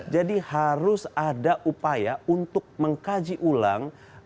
jadi harus ada upaya untuk mengkaji ulang